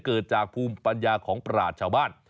เกิดจากภูมิปัญญาของปราศชาวบ้าน